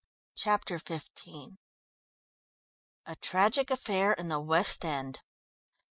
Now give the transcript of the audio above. Chapter XV A TRAGIC AFFAIR IN THE WEST END.